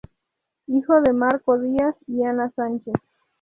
Hijo de Marco Díaz y Ana Sánchez.